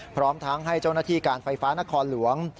พร้อมทั้งให้เจ้าหน้าที่การไฟฟ้านครหลวง